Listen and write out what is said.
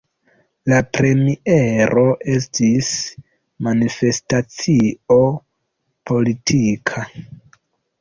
La premiero estis manifestacio politika.